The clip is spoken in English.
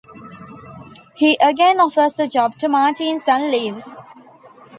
He again offers a job to Martins and leaves.